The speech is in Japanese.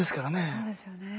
そうですよね。